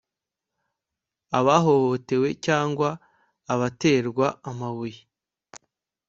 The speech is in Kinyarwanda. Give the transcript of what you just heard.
abahohotewe cyangwa abaterwa amabuye